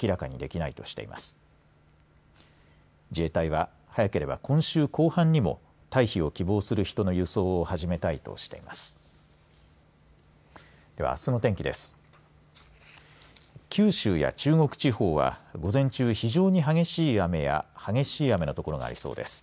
九州や中国地方は午前中非常に激しい雨や激しい雨の所がありそうです。